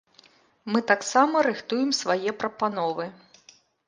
Мы таксама рыхтуем свае прапановы.